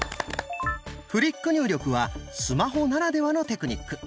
「フリック入力」はスマホならではのテクニック。